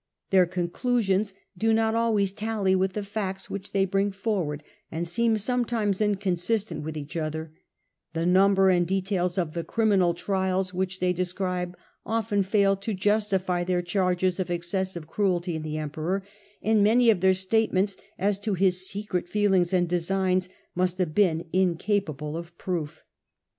Their con clusions do not always tally with the facts which they bring forward, and seem sometimes inconsistent with each other ; the number and details of the criminal trials which they describe often fail to justify their charges of excessive cruelty in the emperor, and many of their state ments as to his secret feelings and designs must have been incapable of proof.